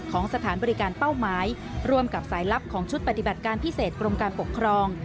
สถานบริการเป้าหมายร่วมกับสายลับของชุดปฏิบัติการพิเศษกรมการปกครอง